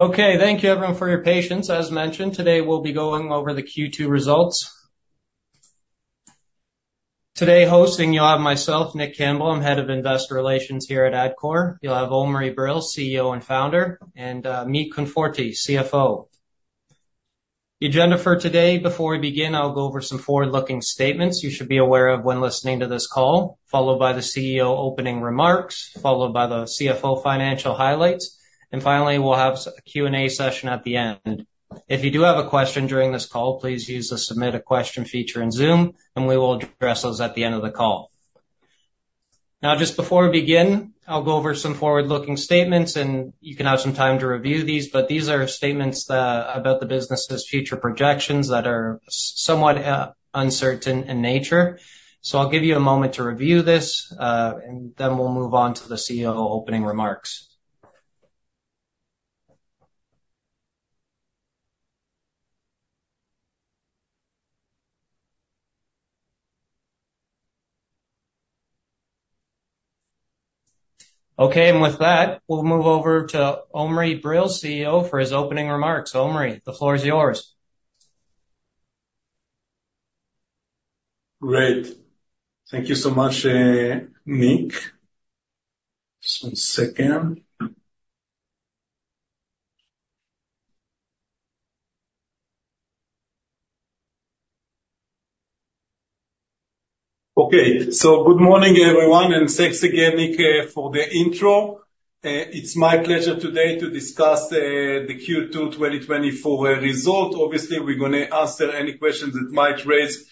Okay, thank you everyone for your patience. As mentioned, today we'll be going over the Q2 results. Today, hosting, you'll have myself, Nick Campbell, I'm Head of Investor Relations here at Adcore. You'll have Omri Brill, CEO and Founder, and Amit Konforty, CFO. The agenda for today, before we begin, I'll go over some forward-looking statements you should be aware of when listening to this call, followed by the CEO opening remarks, followed by the CFO financial highlights, and finally, we'll have a Q&A session at the end. If you do have a question during this call, please use the Submit a Question feature in Zoom, and we will address those at the end of the call. Now, just before we begin, I'll go over some forward-looking statements, and you can have some time to review these, but these are statements about the business's future projections that are somewhat uncertain in nature. So I'll give you a moment to review this, and then we'll move on to the CEO opening remarks. Okay, and with that, we'll move over to Omri Brill, CEO, for his opening remarks. Omri, the floor is yours. Great. Thank you so much, Nick. Just one second. Okay, so good morning, everyone, and thanks again, Nick, for the intro. It's my pleasure today to discuss the Q2 2024 result. Obviously, we're gonna answer any questions that might raise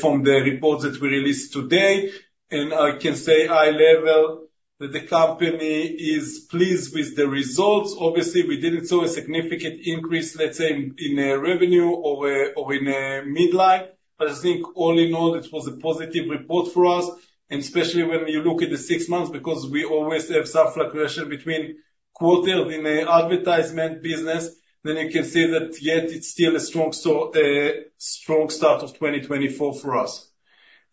from the report that we released today, and I can say high level that the company is pleased with the results. Obviously, we didn't see a significant increase, let's say, in revenue or in midline, but I think all in all, it was a positive report for us, and especially when you look at the six months, because we always have some fluctuation between quarters in the advertisement business, then you can see that yet it's still a strong start of 2024 for us.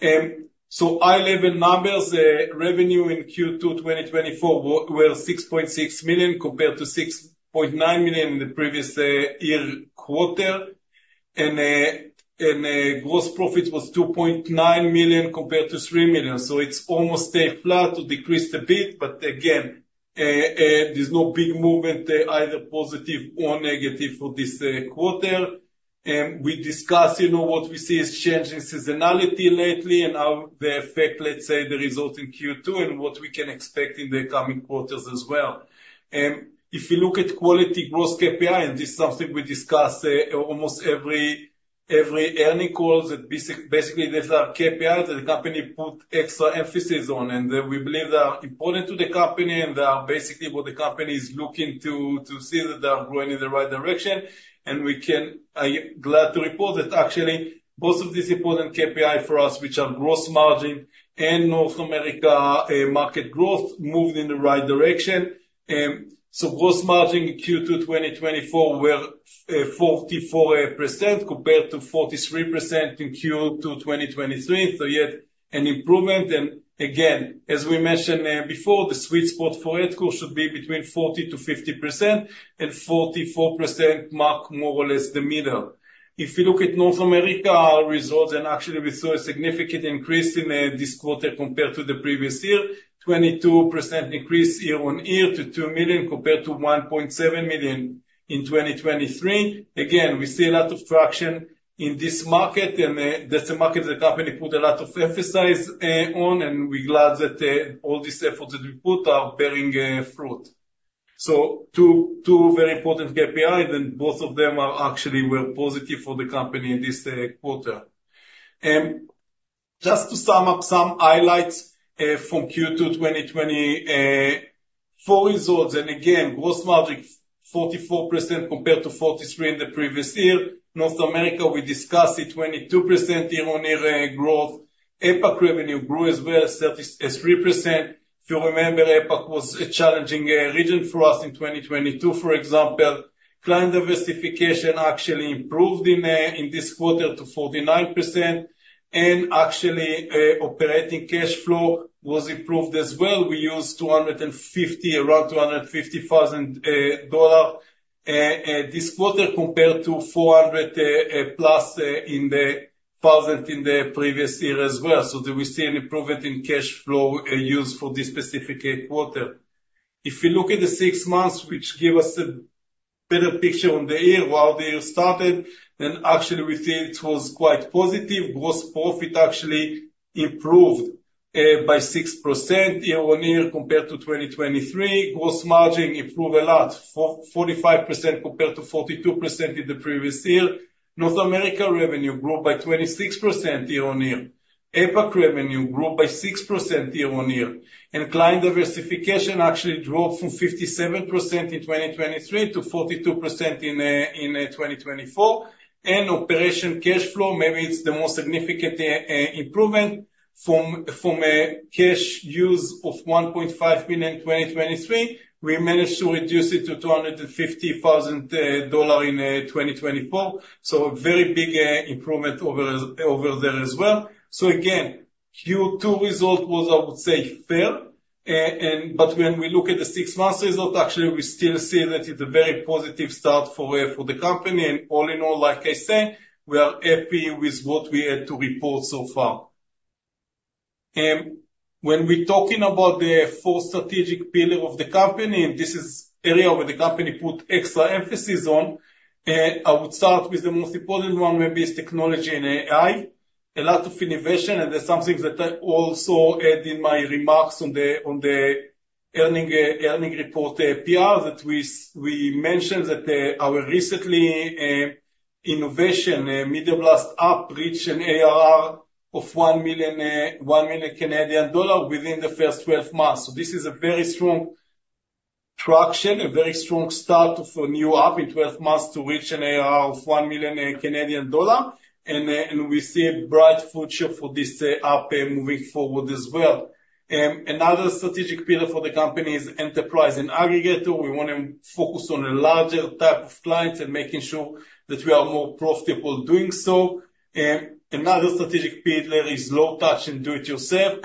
High level numbers, revenue in Q2 2024 were $6.6 million compared to $6.9 million in the previous year quarter. Gross profits was $2.9 million compared to $3 million. It's almost flat to decrease a bit, but again, there's no big movement, either positive or negative for this quarter. We discussed, you know, what we see as changing seasonality lately and how the effect, let's say, the result in Q2 and what we can expect in the coming quarters as well. If you look at key gross KPIs, and this is something we discuss almost every earnings calls, that basically, these are KPIs that the company put extra emphasis on, and that we believe they are important to the company, and they are basically what the company is looking to see that they are going in the right direction. And we can... I'm glad to report that actually, both of these important KPIs for us, which are gross margin and North America market growth, moved in the right direction. So gross margin in Q2 2024 were 44% compared to 43% in Q2 2023, so you have an improvement. And again, as we mentioned before, the sweet spot for Adcore should be between 40%-50%, and 44% mark more or less the middle. If you look at North America, our results, and actually we saw a significant increase in this quarter compared to the previous year, 22% increase year-on-year to $2 million, compared to $1.7 million in 2023. Again, we see a lot of traction in this market, and that's a market the company put a lot of emphasis on, and we're glad that all these efforts that we put are bearing fruit. So two, two very important KPI, and both of them are actually were positive for the company in this quarter. Just to sum up some highlights from Q2 2024 results, and again, gross margin 44% compared to 43% in the previous year. North America, we discussed it, 22% year-on-year growth. APAC revenue grew as well, 33%. If you remember, APAC was a challenging region for us in 2022, for example. Client diversification actually improved in this quarter to 49%, and actually, operating cash flow was improved as well. We used around $250,000 this quarter, compared to $400,000+ in the previous year as well. So do we see an improvement in cash flow use for this specific quarter? If you look at the six months, which give us a better picture on the year, how the year started, then actually we see it was quite positive. Gross profit actually improved by 6% year-on-year compared to 2023. Gross margin improved a lot, 45% compared to 42% in the previous year. North America revenue grew by 26% year-on-year. APAC revenue grew by 6% year-on-year. Client diversification actually dropped from 57% in 2023 to 42% in 2024. Operating cash flow, maybe it's the most significant improvement from cash use of $1.5 million in 2023, we managed to reduce it to $250,000 in 2024. So a very big improvement over there as well. So again, Q2 result was, I would say, fair. But when we look at the six months result, actually, we still see that it's a very positive start for the company. And all in all, like I said, we are happy with what we had to report so far. When we're talking about the four strategic pillar of the company, and this is area where the company put extra emphasis on, I would start with the most important one, where is technology and AI. A lot of innovation, and that's something that I also add in my remarks on the earning report, PR, that we mentioned that our recent innovation, MediaBlast app, reached an ARR of 1 million Canadian dollars within the first 12 months. So this is a very strong traction, a very strong start of a new app in 12 months to reach an ARR of 1 million Canadian dollar. And we see a bright future for this app moving forward as well. Another strategic pillar for the company is enterprise and aggregator. We want to focus on a larger type of clients and making sure that we are more profitable doing so. Another strategic pillar is low touch and do it yourself.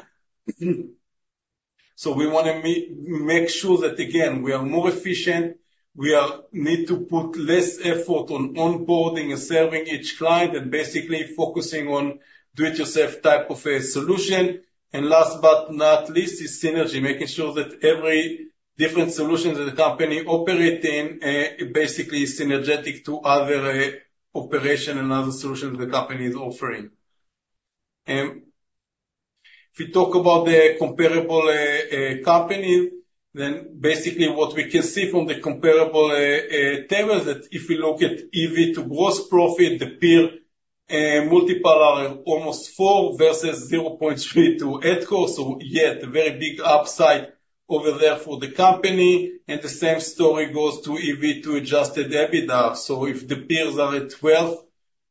So we want to make sure that, again, we are more efficient, we need to put less effort on onboarding and serving each client and basically focusing on do-it-yourself type of a solution. And last but not least, is synergy, making sure that every different solutions in the company operating basically is synergetic to other operation and other solutions the company is offering. If we talk about the comparable company, then basically what we can see from the comparable table is that if we look at EV to gross profit, the peer multiple are almost 4 versus 0.3 to Adcore. So yet, a very big upside over there for the company, and the same story goes to EV to Adjusted EBITDA. So if the peers are at 12x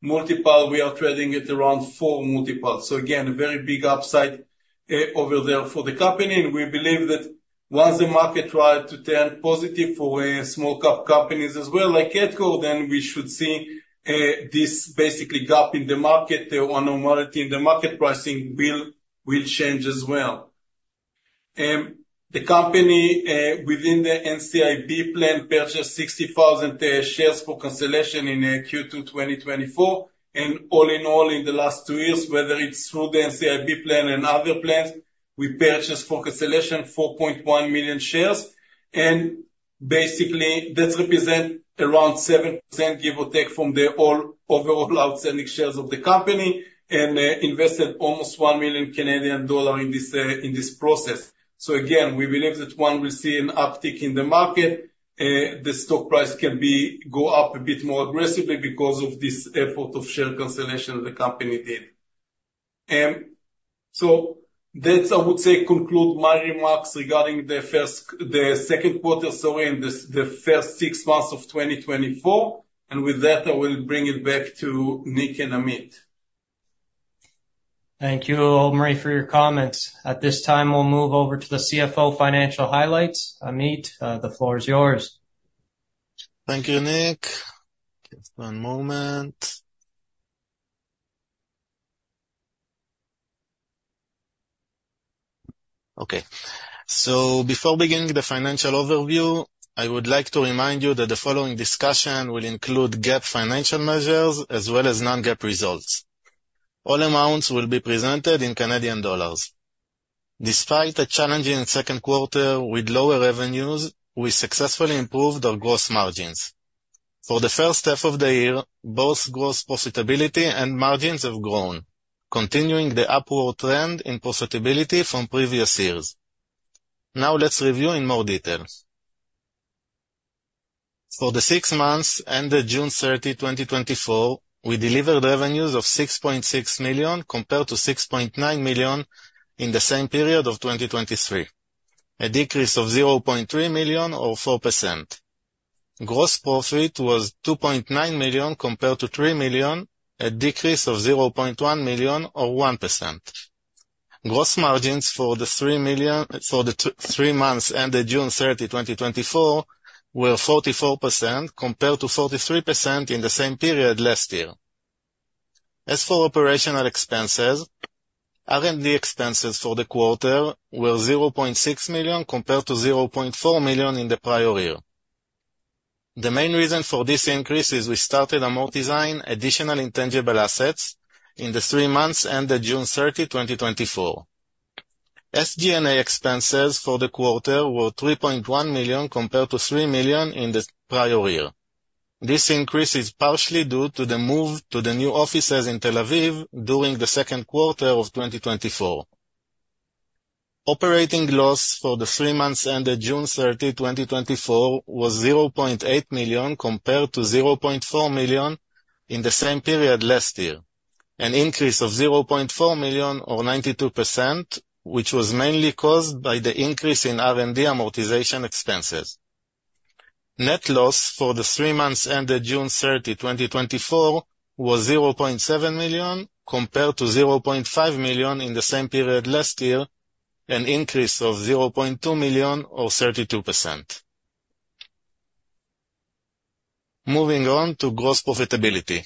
multiple, we are trading at around 4x multiple. So again, a very big upside over there for the company. And we believe that once the market try to turn positive for small cap companies as well, like Adcore, then we should see this basically gap in the market or normality in the market pricing will change as well. The company, within the NCIB plan, purchased 60,000 shares for cancellation in Q2, 2024, and all in all, in the last two years, whether it's through the NCIB plan and other plans, we purchased for cancellation 4.1 million shares, and basically that represent around 7%, give or take from the overall outstanding shares of the company, and invested almost 1 million Canadian dollar in this process. So again, we believe that one will see an uptick in the market, the stock price can go up a bit more aggressively because of this effort of share cancellation the company did. So that, I would say, conclude my remarks regarding the Q2, so in the first six months of 2024. With that, I will bring it back to Nick and Amit. Thank you, Omri, for your comments. At this time, we'll move over to the CFO financial highlights. Amit, the floor is yours. Thank you, Nick. Just one moment. Okay. So before beginning the financial overview, I would like to remind you that the following discussion will include GAAP financial measures as well as non-GAAP results. All amounts will be presented in Canadian dollars. Despite a challenging Q2 with lower revenues, we successfully improved our gross margins. For the first half of the year, both gross profitability and margins have grown, continuing the upward trend in profitability from previous years. Now, let's review in more details. For the six months ended June 30, 2024, we delivered revenues of 6.6 million, compared to 6.9 million in the same period of 2023. A decrease of 0.3 million or 4%. Gross profit was 2.9 million compared to 3 million, a decrease of 0.1 million or 1%. Gross margins for the three months ended June 30, 2024, were 44%, compared to 43% in the same period last year. As for operational expenses, R&D expenses for the quarter were $0.6 million, compared to $0.4 million in the prior year. The main reason for this increase is we started amortizing additional intangible assets in the three months ended June 30, 2024. SG&A expenses for the quarter were $3.1 million, compared to $3 million in the prior year. This increase is partially due to the move to the new offices in Tel Aviv during the Q2 of 2024. Operating loss for the three months ended June 30, 2024, was $0.8 million, compared to $0.4 million in the same period last year. An increase of $0.4 million or 92%, which was mainly caused by the increase in R&D amortization expenses. Net loss for the three months ended June 30, 2024, was $0.7 million, compared to $0.5 million in the same period last year, an increase of $0.2 million or 32%.... Moving on to gross profitability.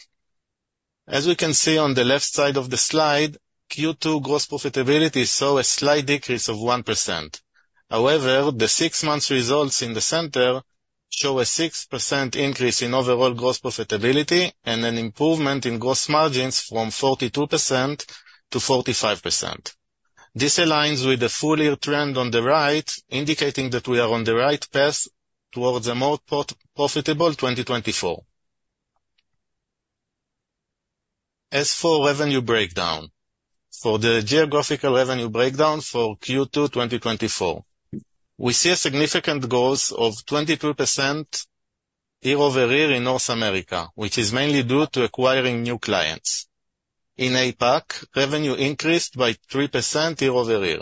As we can see on the left side of the slide, Q2 gross profitability saw a slight decrease of 1%. However, the six months results in the center show a 6% increase in overall gross profitability and an improvement in gross margins from 42% to 45%. This aligns with the full year trend on the right, indicating that we are on the right path towards a more profitable 2024. As for revenue breakdown, for the geographical revenue breakdown for Q2, 2024, we see a significant growth of 22% year-over-year in North America, which is mainly due to acquiring new clients. In APAC, revenue increased by 3% year-over-year.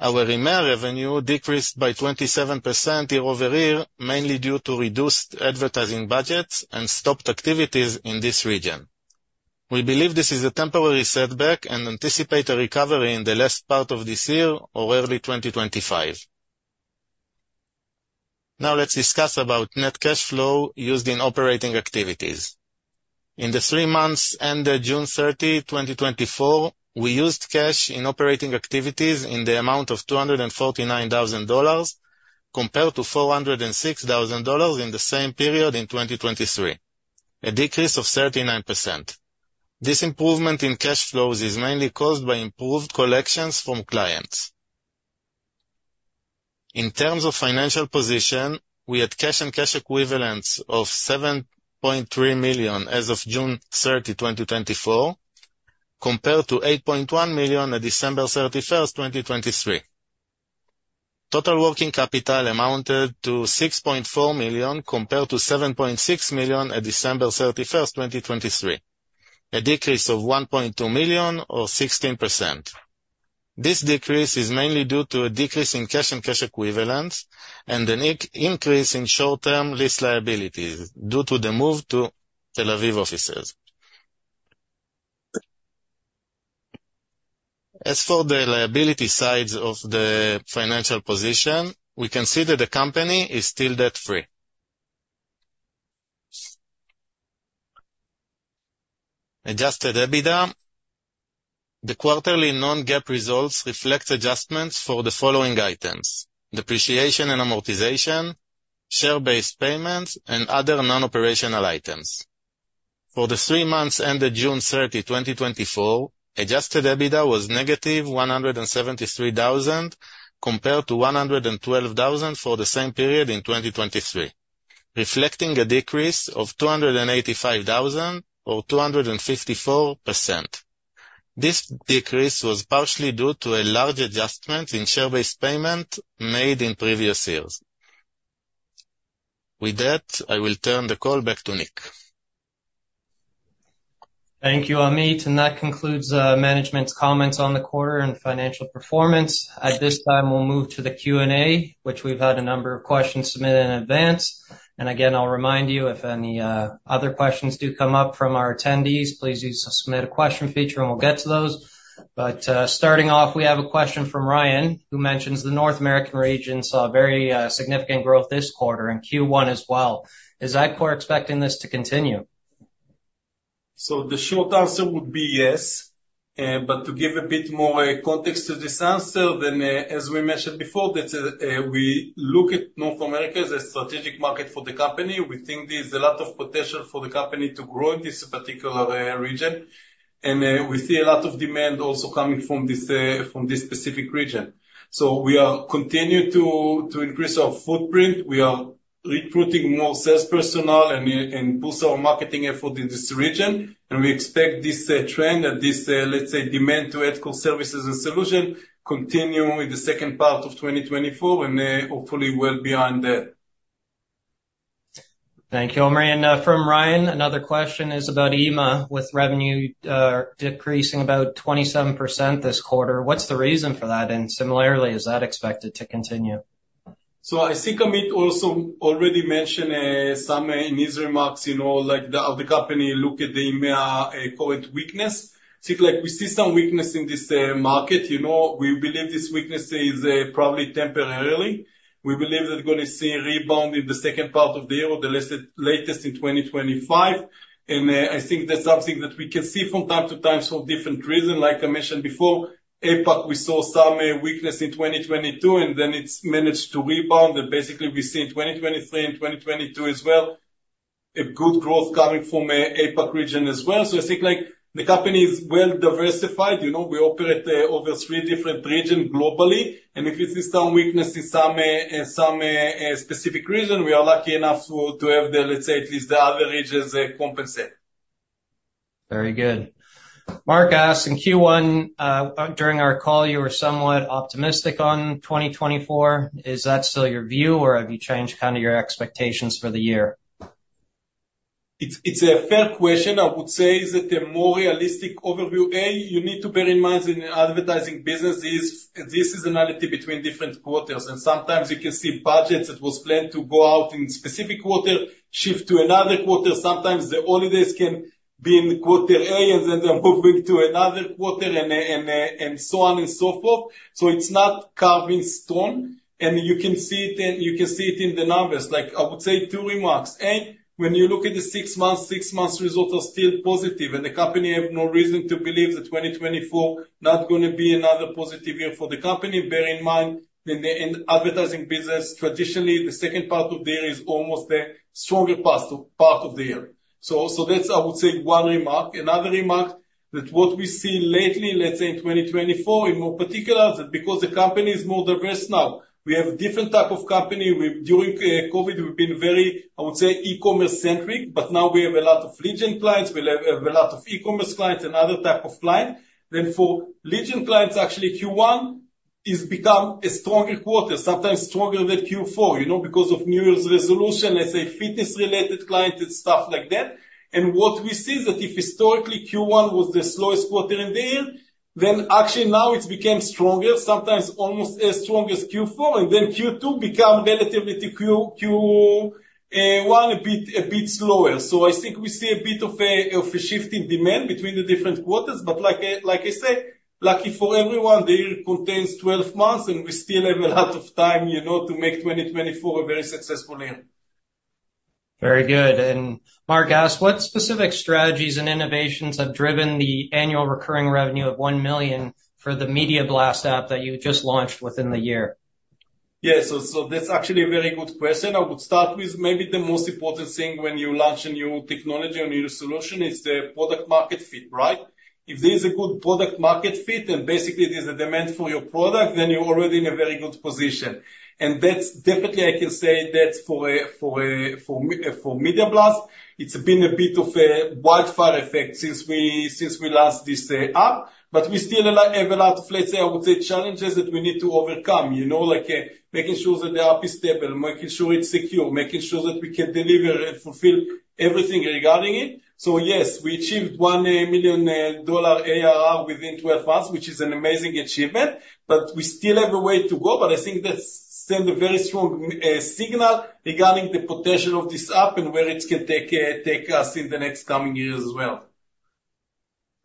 Our EMEA revenue decreased by 27% year-over-year, mainly due to reduced advertising budgets and stopped activities in this region. We believe this is a temporary setback and anticipate a recovery in the last part of this year or early 2025. Now, let's discuss about net cash flow used in operating activities. In the three months ended June 30, 2024, we used cash in operating activities in the amount of $249,000, compared to $406,000 in the same period in 2023, a decrease of 39%. This improvement in cash flows is mainly caused by improved collections from clients. In terms of financial position, we had cash and cash equivalents of $7.3 million as of June 30, 2024, compared to $8.1 million at December 31, 2023. Total working capital amounted to $6.4 million, compared to $7.6 million at December 31, 2023, a decrease of $1.2 million or 16%. This decrease is mainly due to a decrease in cash and cash equivalents and an increase in short-term lease liabilities due to the move to Tel Aviv offices. As for the liability sides of the financial position, we can see that the company is still debt-free. Adjusted EBITDA, the quarterly non-GAAP results reflect adjustments for the following items: depreciation and amortization, share-based payments, and other non-operational items. For the three months ended June 30, 2024, Adjusted EBITDA was negative 173,000, compared to 112,000 for the same period in 2023, reflecting a decrease of 285,000 or 254%. This decrease was partially due to a large adjustment in share-based payment made in previous years. With that, I will turn the call back to Nick. Thank you, Amit, and that concludes management's comments on the quarter and financial performance. At this time, we'll move to the Q&A, which we've had a number of questions submitted in advance. And again, I'll remind you, if any other questions do come up from our attendees, please use the Submit a Question feature and we'll get to those. But starting off, we have a question from Ryan, who mentions the North American region saw a very significant growth this quarter in Q1 as well. Is Adcore expecting this to continue? So the short answer would be yes, but to give a bit more context to this answer, then, as we mentioned before, that we look at North America as a strategic market for the company. We think there's a lot of potential for the company to grow in this particular region, and we see a lot of demand also coming from this specific region. So we are continuing to increase our footprint. We are recruiting more sales personnel and boost our marketing effort in this region, and we expect this trend and this, let's say, demand to Adcore services and solution, continuing with the second part of 2024, and hopefully well beyond that. Thank you, Omri. And, from Ryan, another question is about EMEA, with revenue decreasing about 27% this quarter. What's the reason for that? And similarly, is that expected to continue? So I think Amit also already mentioned, some in his remarks, you know, like, the, of the company look at the EMEA current weakness. So, like, we see some weakness in this market, you know, we believe this weakness is probably temporarily. We believe that we're gonna see a rebound in the second part of the year, or the least, latest in 2025. And I think that's something that we can see from time to time for different reason. Like I mentioned before, APAC, we saw some weakness in 2022, and then it's managed to rebound. And basically, we see in 2023 and 2022 as well, a good growth coming from APAC region as well. So I think, like, the company is well diversified. You know, we operate over three different regions globally, and if we see some weakness in some specific region, we are lucky enough to have the, let's say, at least the other regions compensate. Very good. Mark asked, in Q1, during our call, you were somewhat optimistic on 2024. Is that still your view, or have you changed kind of your expectations for the year? It's a fair question. I would say is that a more realistic overview. A, you need to bear in mind in advertising businesses, this is a tendency between different quarters, and sometimes you can see budgets that was planned to go out in specific quarter, shift to another quarter. Sometimes the holidays can be in quarter A, and then they're moving to another quarter and so on and so forth. So it's not carved in stone, and you can see it in the numbers. Like, I would say two remarks: A, when you look at the six months, six months results are still positive, and the company have no reason to believe that 2024 not gonna be another positive year for the company. Bear in mind, in the advertising business, traditionally, the second part of the year is almost the stronger part of the year. So that's, I would say, one remark. Another remark, that what we see lately, let's say in 2024, in particular, that because the company is more diverse now, we have different type of company. We. During COVID, we've been very, I would say, e-commerce centric, but now we have a lot of lead gen clients, we have a lot of e-commerce clients and other type of client. Then for lead gen clients, actually, Q1 is become a stronger quarter, sometimes stronger than Q4, you know, because of New Year's resolution, let's say, fitness-related clients and stuff like that. And what we see is that if historically Q1 was the slowest quarter in the year, then actually now it's became stronger, sometimes almost as strong as Q4, and then Q2 become relatively to Q1 a bit, a bit slower. So I think we see a bit of a, of a shift in demand between the different quarters, but like I, like I say, lucky for everyone, the year contains 12 months, and we still have a lot of time, you know, to make 2024 a very successful year. Very good. And Mark asks, "What specific strategies and innovations have driven the annual recurring revenue of $1 million for the MediaBlast app that you just launched within the year? Yeah. So that's actually a very good question. I would start with maybe the most important thing when you launch a new technology or new solution is the product market fit, right? If there is a good product market fit, and basically there's a demand for your product, then you're already in a very good position. And that's definitely, I can say, that's for MediaBlast, it's been a bit of a wildfire effect since we launched this app. But we still have a lot of, let's say, I would say, challenges that we need to overcome, you know, like making sure that the app is stable, making sure it's secure, making sure that we can deliver and fulfill everything regarding it. So yes, we achieved $1 million ARR within 12 months, which is an amazing achievement, but we still have a way to go. But I think that sends a very strong signal regarding the potential of this app and where it can take us in the next coming years as well.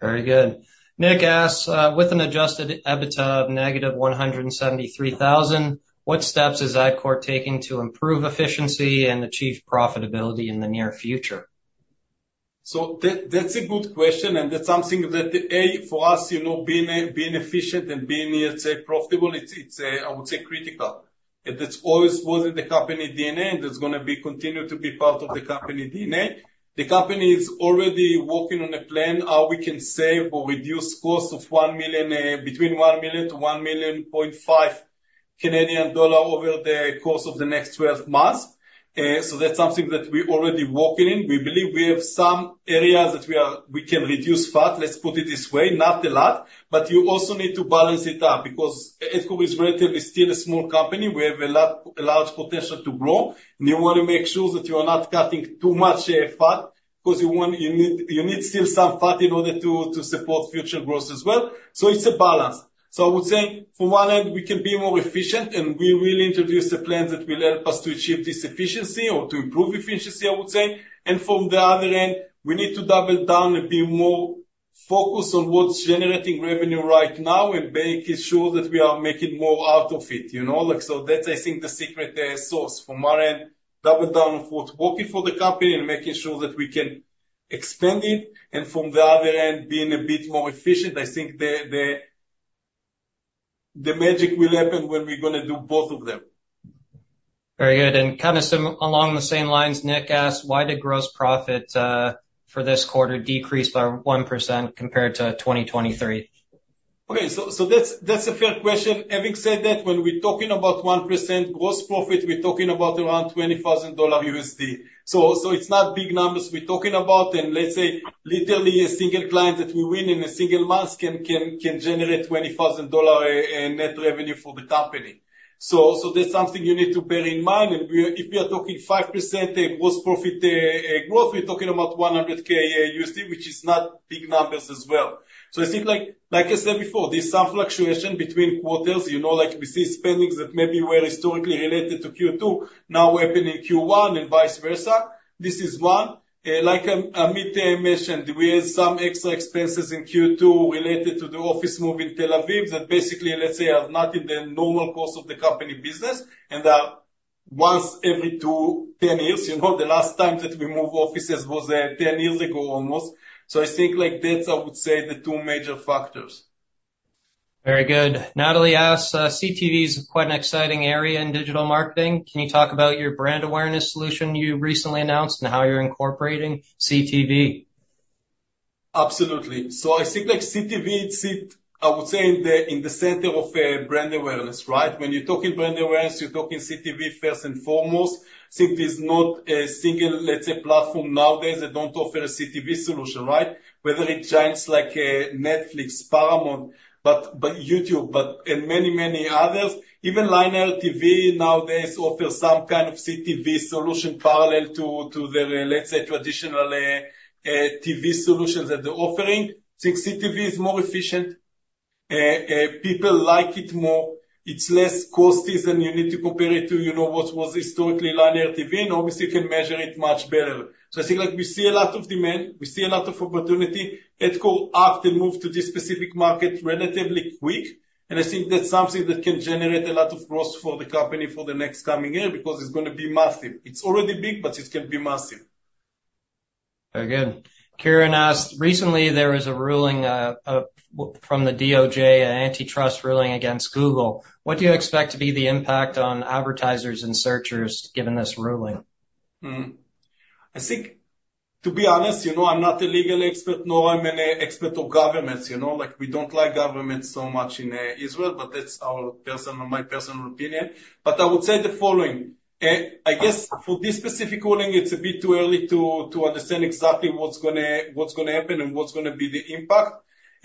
Very good. Nick asks, "With an Adjusted EBITDA of -$173,000, what steps is Adcore taking to improve efficiency and achieve profitability in the near future? So, that's a good question, and that's something that, for us, you know, being efficient and being, let's say, profitable, it's critical. It's always was in the company DNA, and it's gonna be continue to be part of the company DNA. The company is already working on a plan, how we can save or reduce costs of 1 million between 1 million to 1.5 million over the course of the next 12 months. So that's something that we're already working in. We believe we have some areas that we can reduce fat, let's put it this way, not a lot, but you also need to balance it out, because Adcore is relatively still a small company. We have a large potential to grow. You wanna make sure that you are not cutting too much fat, 'cause you want... You need still some fat in order to support future growth as well. So it's a balance. I would say from one end, we can be more efficient, and we will introduce a plan that will help us to achieve this efficiency or to improve efficiency, I would say. From the other end, we need to double down and be more focused on what's generating revenue right now and making sure that we are making more out of it, you know? Like, so that's, I think, the secret sauce. From our end, double down on what's working for the company and making sure that we can extend it, and from the other end, being a bit more efficient. I think the magic will happen when we're gonna do both of them. Very good. And kinda similar along the same lines, Nick asked, "Why did gross profit for this quarter decrease by 1% compared to 2023? Okay, so that's a fair question. Having said that, when we're talking about 1% gross profit, we're talking about around $20,000 USD. So it's not big numbers we're talking about, and let's say, literally a single client that we win in a single month can generate $20,000 USD net revenue for the company. So that's something you need to bear in mind, and we are—if we are talking 5% gross profit growth, we're talking about $100,000 USD, which is not big numbers as well. So I think, like I said before, there's some fluctuation between quarters, you know, like we see spendings that maybe were historically related to Q2 now happening in Q1 and vice versa. This is one. Like, Amit mentioned, we had some extra expenses in Q2 related to the office move in Tel Aviv, that basically, let's say, are not in the normal course of the company business, and once every 10 years, you know, the last time that we moved offices was 10 years ago almost. So I think, like, that's, I would say, the two major factors. Very good. Natalie asked, "CTV is quite an exciting area in digital marketing. Can you talk about your brand awareness solution you recently announced and how you're incorporating CTV? Absolutely. So I think, like, CTV, it sits, I would say, in the, in the center of, brand awareness, right? When you're talking brand awareness, you're talking CTV first and foremost. I think there's not a single, let's say, platform nowadays that don't offer a CTV solution, right? Whether it's giants like, Netflix, Paramount, but, but YouTube, but, and many, many others. Even linear TV nowadays offers some kind of CTV solution parallel to, to the, let's say, traditional, TV solutions that they're offering. Since CTV is more efficient, people like it more, it's less costly than you need to compare it to, you know, what was historically linear TV, and obviously, you can measure it much better. So I think, like, we see a lot of demand, we see a lot of opportunity. Adcore acted and moved to this specific market relatively quick, and I think that's something that can generate a lot of growth for the company for the next coming year, because it's gonna be massive. It's already big, but it can be massive. Very good. Kieran asked: Recently, there was a ruling from the DOJ, an antitrust ruling against Google. What do you expect to be the impact on advertisers and searchers, given this ruling? I think, to be honest, you know, I'm not a legal expert, nor I'm an expert of governments. You know, like, we don't like governments so much in Israel, but that's our personal, my personal opinion. But I would say the following, I guess for this specific ruling, it's a bit too early to understand exactly what's gonna happen and what's gonna be the impact.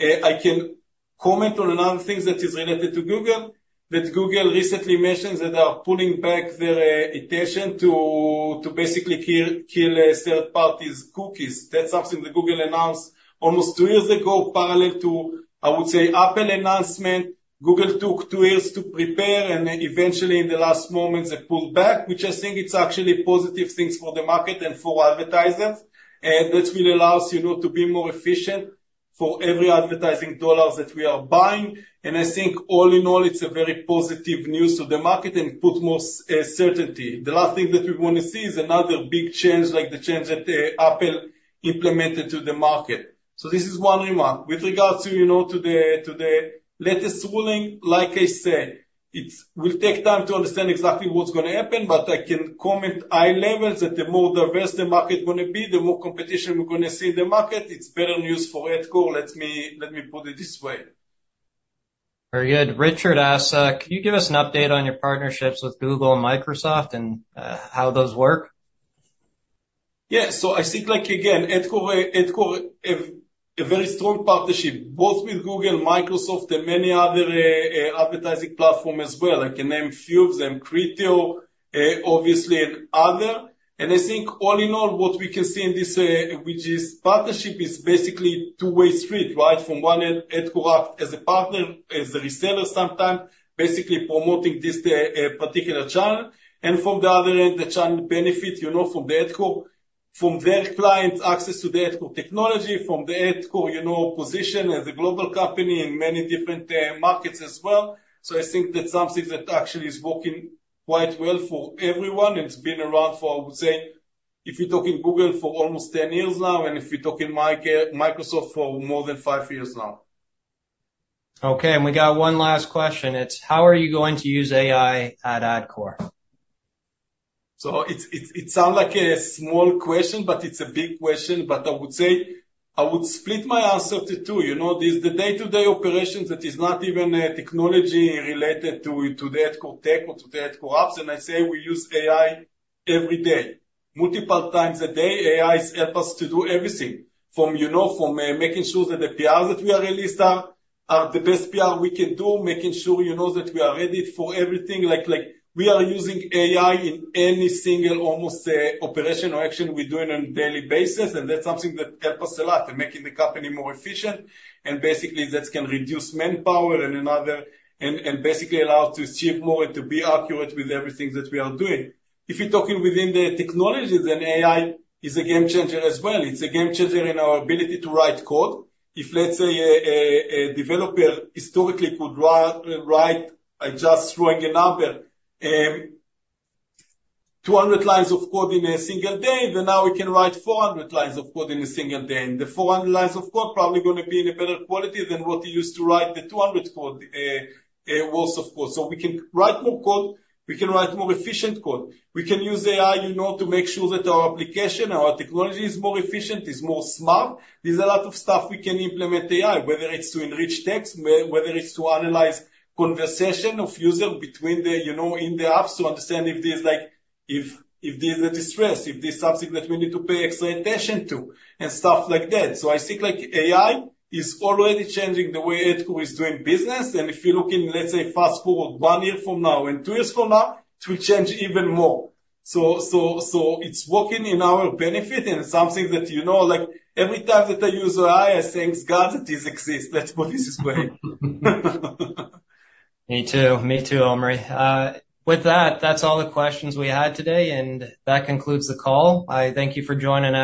I can comment on another thing that is related to Google, that Google recently mentioned that they are pulling back their attention to basically kill third-party cookies. That's something that Google announced almost two years ago, parallel to, I would say, Apple announcement. Google took two years to prepare, and then eventually in the last moment, they pulled back, which I think it's actually positive things for the market and for advertisers. And that will allow us, you know, to be more efficient for every advertising dollars that we are buying. And I think, all in all, it's a very positive news to the market and put more certainty. The last thing that we wanna see is another big change, like the change that Apple implemented to the market. So this is one remark. With regards to, you know, to the, to the latest ruling, like I said, it will take time to understand exactly what's gonna happen, but I can comment high levels, that the more diverse the market gonna be, the more competition we're gonna see in the market. It's better news for Adcore, let me, let me put it this way. Very good. Richard asked, "Can you give us an update on your partnerships with Google and Microsoft, and how those work? Yeah. So I think, like, again, Adcore, Adcore have a very strong partnership, both with Google and Microsoft, and many other advertising platform as well. I can name a few of them, Criteo, obviously and other. And I think all in all, what we can see in this, which is partnership, is basically two-way street, right? From one end, Adcore act as a partner, as a reseller sometime, basically promoting this particular channel. And from the other end, the channel benefit, you know, from the Adcore, from their clients, access to the Adcore technology, from the Adcore, you know, position as a global company in many different markets as well. So I think that's something that actually is working quite well for everyone. It's been around for, I would say, if you're talking Google, for almost 10 years now, and if you're talking Microsoft, for more than five years now. Okay, and we got one last question. It's: How are you going to use AI at Adcore? So it sound like a small question, but it's a big question. But I would say... I would split my answer to two. You know, there's the day-to-day operations that is not even a technology related to the Adcore tech or to the Adcore apps, and I say we use AI every day, multiple times a day. AIs help us to do everything from, you know, from, making sure that the PR that we are released are the best PR we can do, making sure, you know, that we are ready for everything. Like, we are using AI in every single almost operation or action we're doing on a daily basis, and that's something that help us a lot in making the company more efficient. Basically, that can reduce manpower and another basically allow us to achieve more and to be accurate with everything that we are doing. If you're talking within the technology, then AI is a game changer as well. It's a game changer in our ability to write code. If, let's say, a developer historically could write, just throwing a number, 200 lines of code in a single day, then now we can write 400 lines of code in a single day. And the 400 lines of code probably gonna be in a better quality than what he used to write the 200 code, source of code. So we can write more code, we can write more efficient code. We can use AI, you know, to make sure that our application, our technology is more efficient, is more smart. There's a lot of stuff we can implement AI, whether it's to enrich text, whether it's to analyze conversation of user between the, you know, in the apps, to understand if there's like if there's a distress, if there's something that we need to pay extra attention to, and stuff like that. So I think, like, AI is already changing the way Adcore is doing business. And if you're looking, let's say, fast-forward one year from now and two years from now, it will change even more. So it's working in our benefit, and it's something that, you know, like, every time that I use AI, I thanks God that this exists. Let's put it this way. Me too. Me too, Omri. With that, that's all the questions we had today, and that concludes the call. I thank you for joining Adcore-